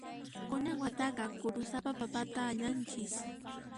Kunan wataqa kurusapa papata allanchis.